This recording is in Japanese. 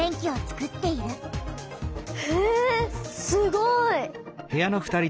へえすごい！